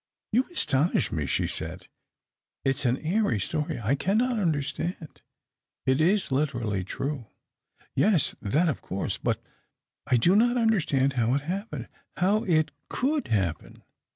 " You astonish me !" she said. "It is a^ airy story. I cannot understand." " It is literally true." " Yes ; that — of course. But I do not understand how it happened — how it could happen."